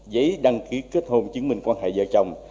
giấy đăng ký kết hôn chứng minh quan hệ vợ chồng